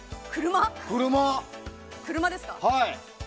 車ですか？